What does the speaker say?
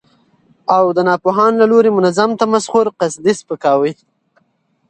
او ناپوهانو له لوري منظم تمسخر، قصدي سپکاوي،